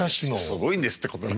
「すごいんです」ってこと。